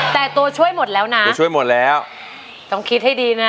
แต่ตัวช่วยหมดแล้วนะตัวช่วยหมดแล้วต้องคิดให้ดีนะ